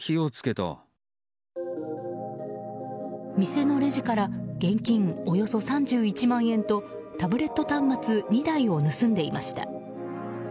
店のレジから現金およそ３１万円とタブレット端末２台を盗んでいました。